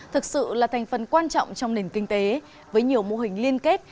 thực sự là thành phần quan trọng trong nền kinh tế với nhiều mô hình liên kết